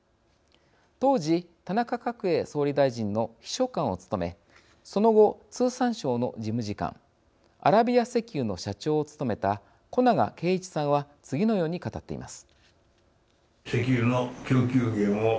当時田中角栄総理大臣の秘書官を務めその後通産省の事務次官アラビア石油の社長を務めた小長啓一さんは次のように語っています。